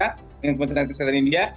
apa yang terjadi di sana